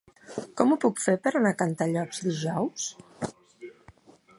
Com ho puc fer per anar a Cantallops dijous?